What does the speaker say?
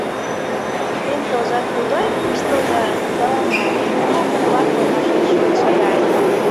Сем кылжат тугай куштылго, сылне — Толкын-влак модмашеш шочшо гай.